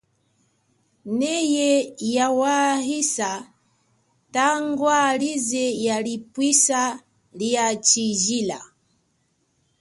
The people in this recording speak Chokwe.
Neye yawahisa tangwa lize yalipwisa lia chijila.